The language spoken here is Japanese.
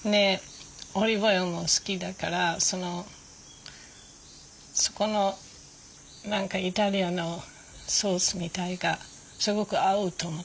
オリーブオイルも好きだからそこの何かイタリアのソースみたいがすごく合うと思って。